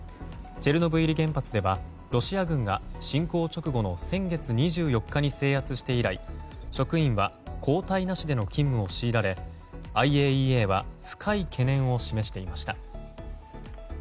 チェルノブイリ原発ではロシア軍が侵攻直後の先月２４日に制圧して以来職員は交代なしでの勤務を強いられＩＡＥＡは深い懸念を示していました。